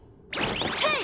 はい！